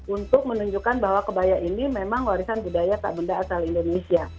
untuk menunjukkan bahwa kebaya ini memang warisan budaya tak benda asal indonesia